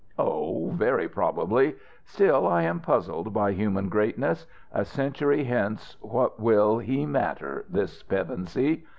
"Oh very probably! Still, I am puzzled by human greatness. A century hence what will he matter, this Pevensey?